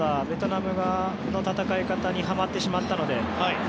ベトナムの戦い方にはまってしまったので。